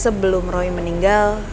sebelum roy meninggal